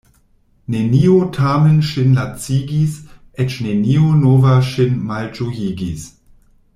Nenio tamen ŝin lacigis, eĉ nenio nova ŝin malĝojigis.